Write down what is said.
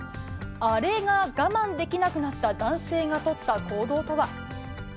アレが我慢できなくなった男性が取った行動とは。